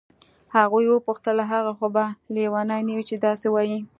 هغې وپوښتل هغه خو به لیونی نه وي چې داسې وایي.